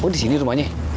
oh disini rumahnya